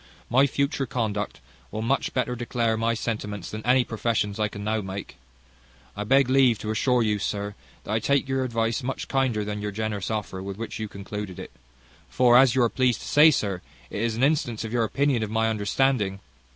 My future conduct will much better declare my sentiments than any professions I can now make. I beg leave to assure you, sir, that I take your advice much kinder than your generous offer with which you concluded it; for, as you are pleased to say, sir, it is an instance of your opinion of my understanding."